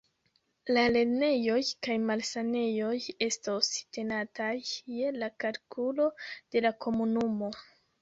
La lernejoj kaj malsanejoj estos tenataj je la kalkulo de la komunumo.